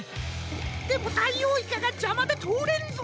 でもダイオウイカがじゃまでとおれんぞ。